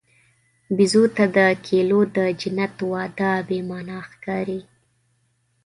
بیزو ته د کیلو د جنت وعده بېمعنی ښکاري.